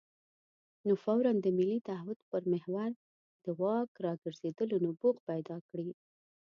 نو فوراً د ملي تعهد پر محور د واک راګرځېدلو نبوغ پیدا کړي.